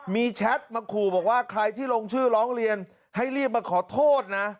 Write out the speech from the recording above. มีแชทมาขู่บอกว่าใครที่ลงชื่อร้องเรียนให้รีบมาขอโทษนะ